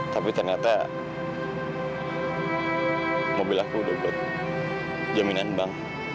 tapi ternyata mobil aku udah buat jaminan bank